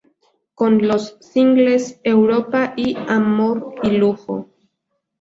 Con los singles: "Europa" y "Amor y lujo".